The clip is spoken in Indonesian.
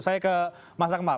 saya ke mas akmal